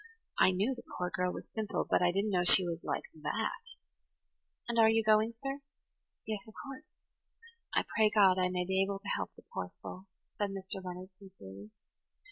"I knew the poor girl was simple, but I didn't know she was like that. And are you going, sir?" "Yes, of course. I pray God I may be able to help the poor soul," said Mr. Leonard sincerely.